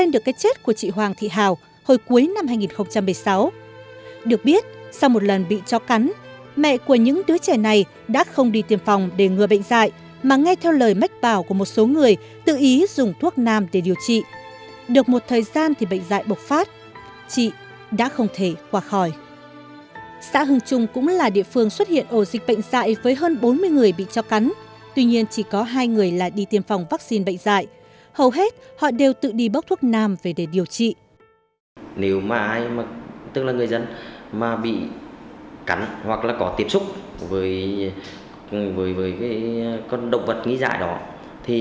mẹ của những đứa trẻ này đã không đi tiêm phòng vaccine bệnh dạy hầu hết họ đều tự đi bốc thuốc nam về để điều trị